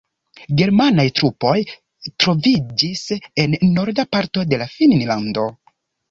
Germanaj trupoj troviĝis en norda parto de Finnlando.